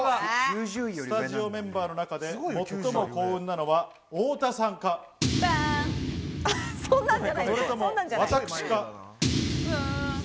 スタジオメンバーの中で最も幸運なのは太田さんか、それとも私か？